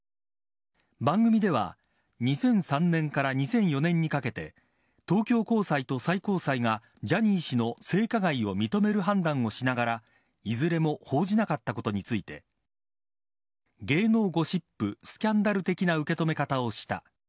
番組では、２００３年から２００４年にかけて東京高裁と最高裁がジャニー氏の性加害を認める判断をしながらいずれも報じなかったことについて芸能ゴシップスキャンダル的な受け止め方をした。